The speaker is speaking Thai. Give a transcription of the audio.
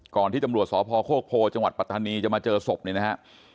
ก่อนที่ตำรวจสพโฆโภจปัตตานีจะมาเจอศพนี่นะฮะ